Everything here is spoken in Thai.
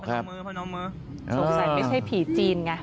สงสัยไม่ใช่ผีจีนไง